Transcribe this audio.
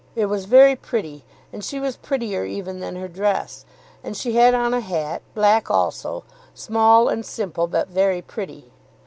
It was very pretty, and she was prettier even than her dress. And she had on a hat, black also, small and simple, but very pretty.